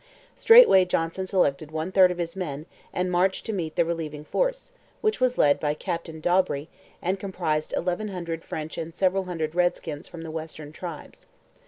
Straightway Johnson selected one third of his men and marched to meet the relieving force, which was led by Captain D'Aubrey and comprised eleven hundred French and several hundred redskins from the western tribes.